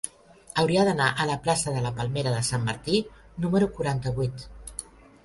Hauria d'anar a la plaça de la Palmera de Sant Martí número quaranta-vuit.